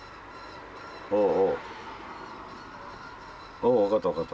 おお分かった分かった。